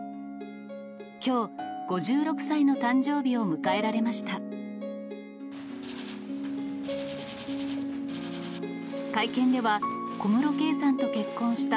きょう、５６歳の誕生日を迎えられました。